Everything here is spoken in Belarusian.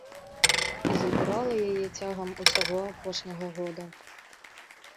І забірала яе цягам усяго апошняга года.